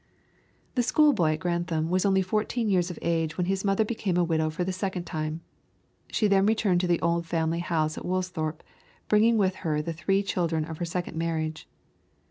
The schoolboy at Grantham was only fourteen years of age when his mother became a widow for the second time. She then returned to the old family home at Woolsthorpe, bringing with her the three children of her second marriage.